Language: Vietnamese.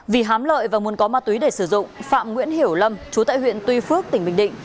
vì hám lợi và muốn có ma túy để sử dụng phạm nguyễn hiểu lâm chú tại huyện tuy phước tỉnh bình định